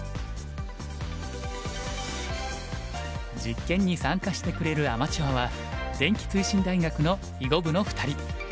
実験に参加してくれるアマチュアは電気通信大学の囲碁部の２人。